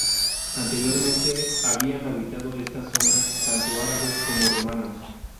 Anteriormente habían habitado esta zona, tanto árabes como romanos.